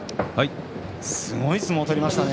すごい相撲を取りましたね